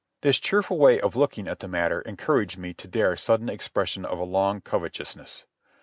This cheerful way of looking at the matter encouraged me to dare sudden expression of a long covetousness.